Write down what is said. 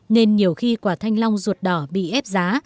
nên nhiều khi quả thanh long ruột đỏ bị ép giá